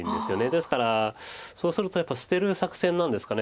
ですからそうするとやっぱり捨てる作戦なんですかね。